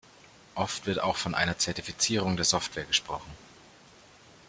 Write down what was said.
Oft wird auch von einer Zertifizierung "der Software" gesprochen.